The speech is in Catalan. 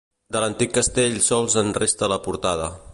De l'antic castell sols en resta la portada.